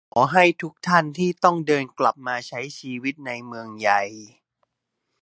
ผมขอให้ทุกท่านที่ต้องเดินกลับมาใช้ชีวิตในเมืองใหญ่